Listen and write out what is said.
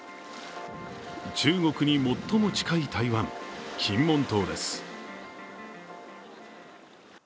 中国に最も近い台湾、金門島です。